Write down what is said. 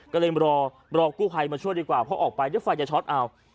ก็เลยรอกู้ภัยมาช่วยดีกว่าเพราะออกไปเดี๋ยวไฟจะช็อตเอา